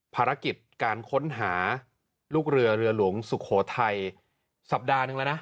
ภารกิจการค้นหาลูกเรือเรือหลวงสุโขทัยสัปดาห์หนึ่งแล้วนะ